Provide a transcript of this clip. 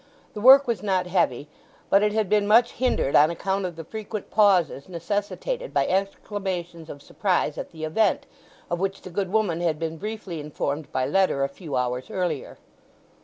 The work was not heavy, but it had been much hindered on account of the frequent pauses necessitated by exclamations of surprise at the event, of which the good woman had been briefly informed by letter a few hours earlier.